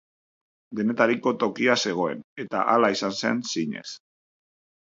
Denetariko tokia zegoen, eta hala izan zen zinez.